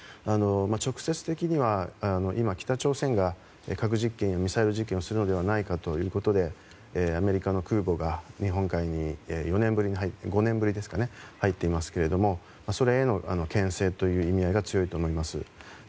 直接的には今、北朝鮮が核実験やミサイル実験をするのではないかということでアメリカの空母が日本海に５年ぶりに入っていますけどそれへの牽制という意味合いが強いと思います。